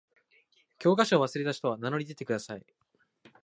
教科書を忘れた人は名乗り出てください。